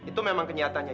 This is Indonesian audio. itu memang kenyataannya